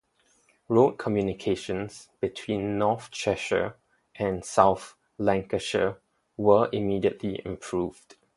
Road communications between north Cheshire and south Lancashire were immediately improved.